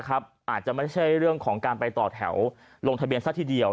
อาจจะไม่ใช่เรื่องของการไปต่อแถวลงทะเบียนซะทีเดียว